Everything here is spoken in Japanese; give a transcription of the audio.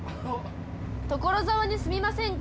「所沢に住みませんか？」